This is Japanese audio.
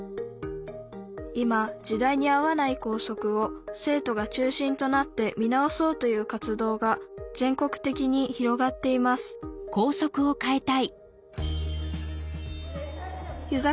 今時代に合わない校則を生徒が中心となって見直そうという活動が全国的に広がっています遊佐